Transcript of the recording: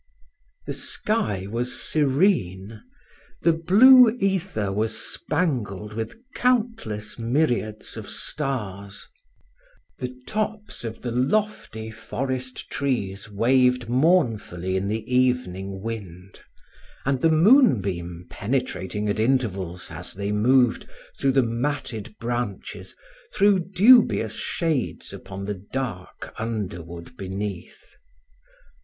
The sky was serene; the blue ether was spangled with countless myriads of stars: the tops of the lofty forest trees waved mournfully in the evening wind; and the moon beam penetrating at intervals, as they moved, through the matted branches, threw dubious shades upon the dark underwood beneath.